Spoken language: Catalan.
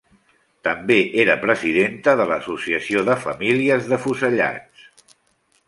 També era presidenta de l'Associació de Famílies d'Afusellats.